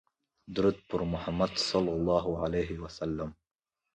درود په محمدﷺ